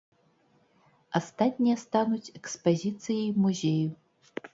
Астатнія стануць экспазіцыяй музею.